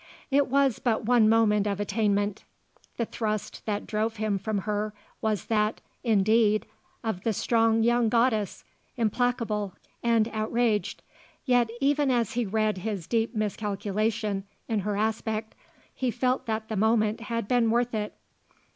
It was but one moment of attainment. The thrust that drove him from her was that, indeed, of the strong young goddess, implacable and outraged. Yet even as he read his deep miscalculation in her aspect he felt that the moment had been worth it.